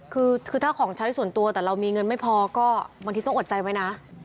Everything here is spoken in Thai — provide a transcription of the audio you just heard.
คือถ้าของใช้ส่วนตัวแต่เรามีเงินไม่พอก็บางทีต้องอดใจไว้นะ